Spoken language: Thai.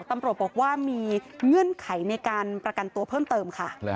ตำรวจบอกว่ามีเงื่อนไขในการประกันตัวเพิ่มเติมค่ะ